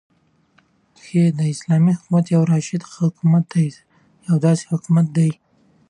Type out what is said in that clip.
ح : اسلامې حكومت يو راشده حكومت دى يو داسي حكومت دى